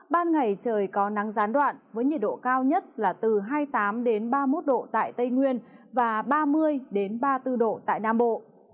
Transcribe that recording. ban ngày trời có nắng gián đoạn với nhiệt độ cao nhất là từ hai mươi tám ba mươi một độ tại tây nguyên và ba mươi ba mươi bốn độ tại nam bộ